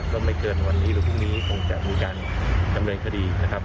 รวมไม่เกินวันนี้หรือทุกนี้ทรงแสงจะมีการดำเนินคดี